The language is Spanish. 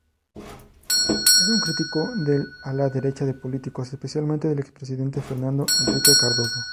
Es un crítico del ala derecha de políticos, especialmente del expresidente Fernando Henrique Cardoso.